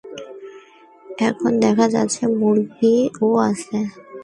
এখন দেখা যাচ্ছে মুরগিও আছে।